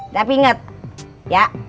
tapi inget ya